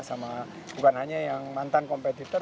sama bukan hanya yang mantan kompetitor